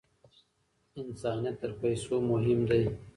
انسانیت تر پیسو مهم دی.